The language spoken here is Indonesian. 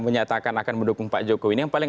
menyatakan akan mendukung pak jokowi ini yang paling